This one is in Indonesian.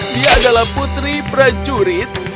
dia adalah putri prajurit